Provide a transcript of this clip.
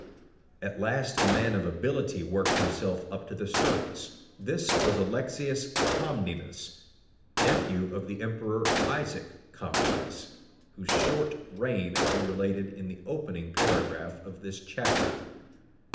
At last a man of ability worked himself up to the surface. This was Alexius Comnenus, nephew of the emperor Isaac Comnenus, whose short reign we related in the opening paragraph of this chapter.